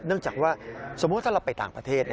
จากว่าสมมุติถ้าเราไปต่างประเทศ